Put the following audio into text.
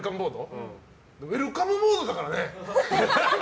ウェルカムボードだからね。